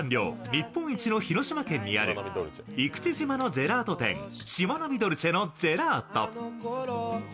日本一の広島県にある生口島のジェラート店、しまなみドルチェのジェラート。